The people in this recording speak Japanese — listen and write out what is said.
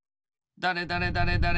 だれだれだれだれ